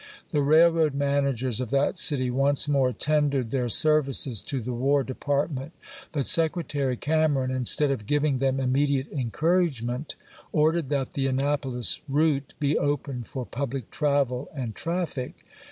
The railroad managers of that city once more tendered their services to the War Department ; but Secre tary Cameron, instead of giving them immediate encoui'agement, ordered that the AnnapoHs route be opened for public travel and traffic.